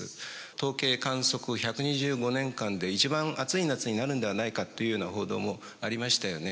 統計観測１２５年間で一番暑い夏になるのではないかというような報道もありましたよね。